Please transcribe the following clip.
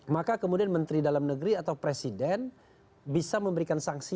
maka kemudian menteri dalam negeri atau presiden bisa memberikan sanksi